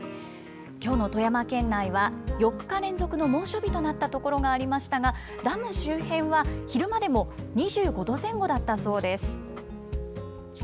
きょうの富山県内は、４日連続の猛暑日となった所がありましたが、ダム周辺は、昼間でも２５度前後だったそうです。